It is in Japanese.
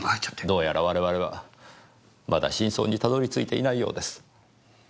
どうやら我々はまだ真相にたどり着いていないようです。